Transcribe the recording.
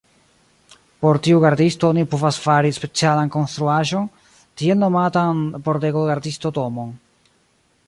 Por tiu gardisto oni povas fari specialan konstruaĵon, tiel nomatan pordego-gardisto-domon.